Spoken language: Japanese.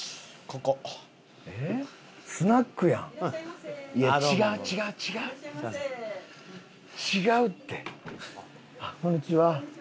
こんにちは。